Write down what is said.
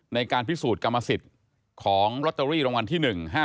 ในการพิสูจน์กรรมสิทธิ์ของลอตเตอรี่รางวัลที่๑๕๗